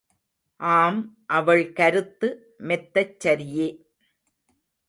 ஆம் அவள் கருத்து மெத்தச் சரியே.